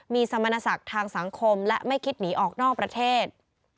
มีสมณศักดิ์ทางสังคมและไม่คิดหนีออกนอกประเทศ